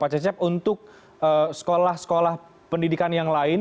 pak cecep untuk sekolah sekolah pendidikan yang lain